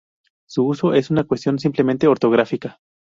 Su uso es una cuestión simplemente ortográfica.